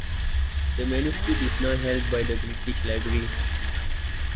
The manuscript is now held by the British Library.